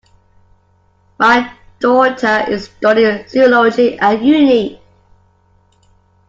My daughter is studying zoology at uni